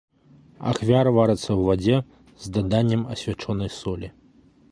Ахвяра варыцца ў вадзе, з даданнем асвячонай солі.